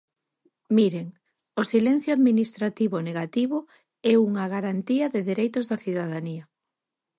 Miren, o silencio administrativo negativo é unha garantía de dereitos da cidadanía.